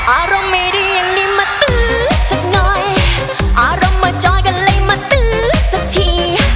อารมณ์ไม่ดีอย่างนี้มาตื้อสักหน่อยอารมณ์มาจอยกันเลยมาตื้อสักที